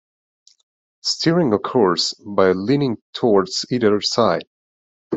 Steering occurs by leaning towards either side.